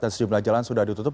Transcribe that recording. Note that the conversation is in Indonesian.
dan sejumlah jalan sudah ditutup